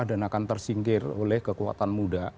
dan akan tersingkir oleh kekuatan muda